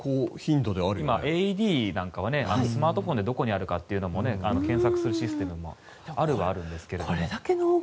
ＡＥＤなんかはスマートフォンで検索するシステムもあるはあるんですけど。